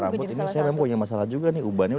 rambut ini saya memang punya masalah juga nih ubannya